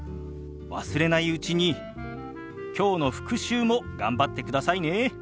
忘れないうちにきょうの復習も頑張ってくださいね。